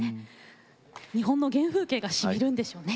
日本の原風景がしみるんでしょうね